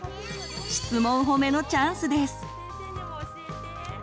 「シツモン褒め」のチャンスです。